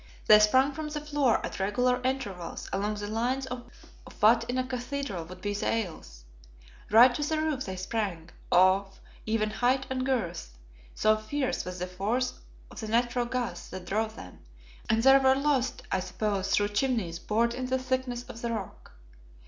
They sprang from the floor at regular intervals along the lines of what in a cathedral would be the aisles. Right to the roof they sprang, of even height and girth, so fierce was the force of the natural gas that drove them, and there were lost, I suppose, through chimneys bored in the thickness of the rock.